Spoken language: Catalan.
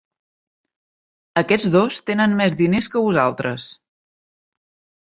Aquests dos tenen més diners que vosaltres!